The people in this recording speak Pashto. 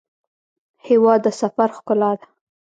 هېواد د سفر ښکلا ده.